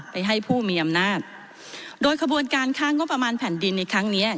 ให้ผู้มีอำนาจโดยขบวนการค้างบประมาณแผ่นดินในครั้งนี้